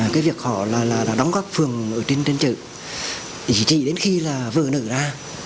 cái việc họ là đóng các phường ở trên trường chỉ đến khi là vợ nữ ra